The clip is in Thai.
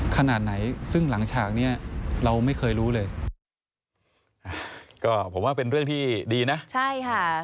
ขนาดไหนซึ่งหลังฉากนี้เราไม่เคยรู้เลย